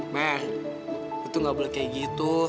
mer lo tuh gak boleh kayak gitu